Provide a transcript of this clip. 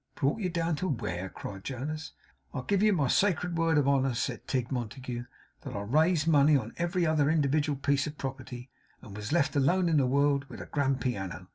'Brought you down where?' cried Jonas. 'I give you my sacred word of honour,' said Tigg Montague, 'that I raised money on every other individual piece of property, and was left alone in the world with a grand piano.